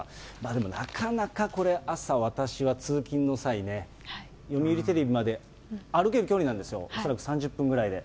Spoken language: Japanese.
でもなかなかこれ、朝、私は通勤の際ね、読売テレビまで歩ける距離なんですよ、恐らく３０分ぐらいで。